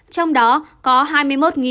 trong đó có hai mươi một ba mươi năm ca tử vong